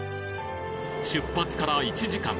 出発から１時間。